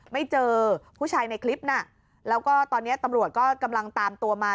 ไม่เจอผู้ชายในคลิปน่ะแล้วก็ตอนนี้ตำรวจก็กำลังตามตัวมา